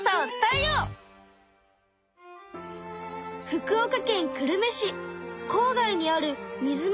福岡県久留米市こう外にあるみづ